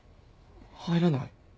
入らない。